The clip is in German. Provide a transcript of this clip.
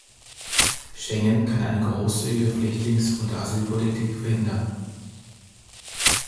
Schengen kann eine großzügige Flüchtlingsund Asylpolitik verhindern.